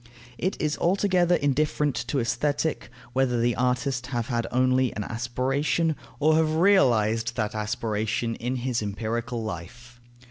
It is altogether indifferent to Aesthetic whether the artist have had only an aspiration, or have realized that aspiration in his empirical life.